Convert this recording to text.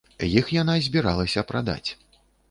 Іх яна збіралася прадаць.